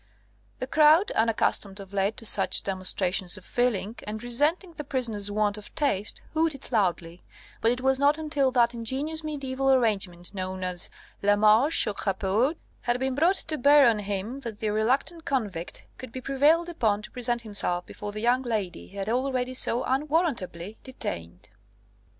The crowd, unaccustomed of late to such demonstrations of feeling, and resenting the prisoner's want of taste, hooted loudly; but it was not until that ingenious mediæval arrangement known as la marche aux crapauds had been brought to bear on him that the reluctant convict could be prevailed upon to present himself before the young lady he had already so unwarrantably detained.